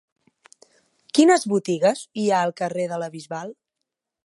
Quines botigues hi ha al carrer de la Bisbal?